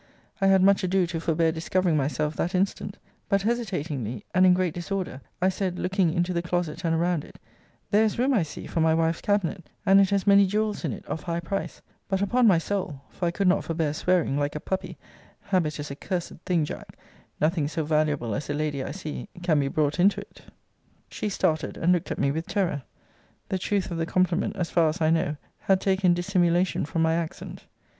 I had much ado to forbear discovering myself that instant: but, hesitatingly, and in great disorder, I said, looking into the closet and around it, there is room, I see, for my wife's cabinet; and it has many jewels in it of high price; but, upon my soul, [for I could not forbear swearing, like a puppy: habit is a cursed thing, Jack ] nothing so valuable as a lady I see, can be brought into it. She started, and looked at me with terror. The truth of the compliment, as far as I know, had taken dissimulation from my accent.